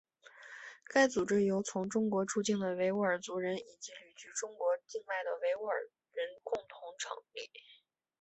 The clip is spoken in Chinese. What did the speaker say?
该组织由从中国出境的维吾尔族人以及旅居中国境外的维吾尔人共同成立。